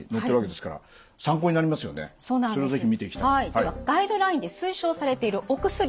ではガイドラインで推奨されているお薬